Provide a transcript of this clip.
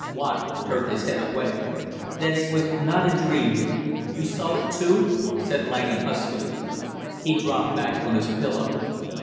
Watt turned his head away. "Then that was not a dream you saw it, too?" said Langham huskily. He dropped back on his pillow.